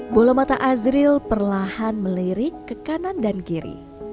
bola mata azril perlahan melirik ke kanan dan kiri